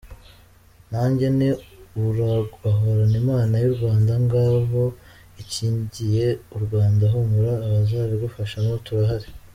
Nanjye nti Uragahorana Imana y’i Rwanda Ngabo ikingiye u Rwanda, humura abazabigufashamo turahari.